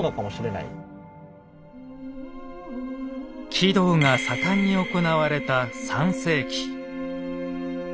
鬼道が盛んに行われた３世紀。